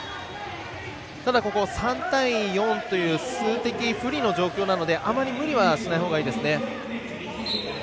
ただ、３対４という数的不利の状況なのであまり無理はしないほうがいいですね。